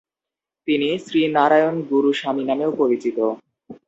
তিনি "শ্রী নারায়ণ গুরু স্বামী" নামেও পরিচিত।